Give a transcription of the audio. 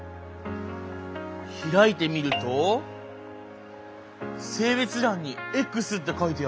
開いてみると性別欄に「Ｘ」って書いてある！